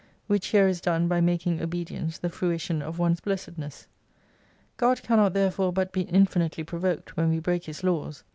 Which here is done by making obedience the fruition of one's blessedness. God cannot therefore but be infinitely provoked, when we break His laws.